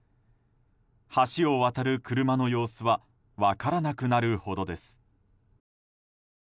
橋を渡る車の様子は分からなくなるほどです。